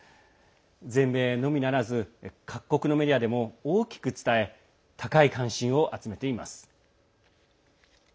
全米のみならず各国のメディアでも大きく伝え高い関心を集めています。